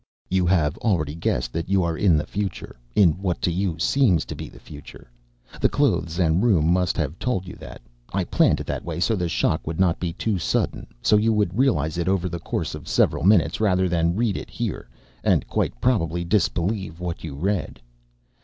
"You have already guessed that you are in the future in what, to you, seems to be the future. The clothes and the room must have told you that. I planned it that way so the shock would not be too sudden, so you would realize it over the course of several minutes rather than read it here and quite probably disbelieve what you read.